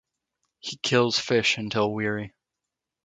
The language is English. He kills fish until weary.